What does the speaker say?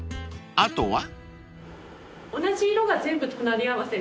［あとは？］